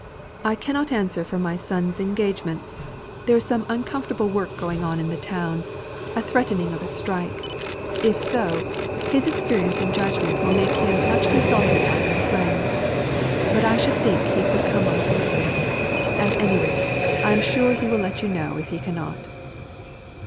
"I cannot answer for my son's engagements. There is some uncomfortable work going on in the town; a threatening of a strike. If so, his experience and judgment will make him much consulted by his friends. But I should think he could come on Thursday. At any rate, I am sure he will let you know if he cannot."